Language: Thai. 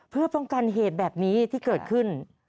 เพื่อป้องกันเหตุแบบนี้ที่เกิดขึ้น